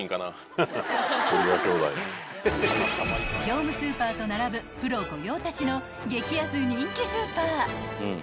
［業務スーパーと並ぶプロ御用達の激安人気スーパー］